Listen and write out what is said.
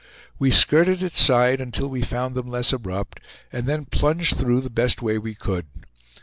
We skirted its sides until we found them less abrupt, and then plunged through the best way we could.